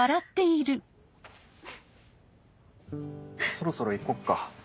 そろそろ行こっか。